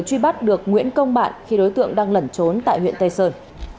truy bắt được nguyễn công bạn khi đối tượng đang lẩn trốn tại huyện tây sơn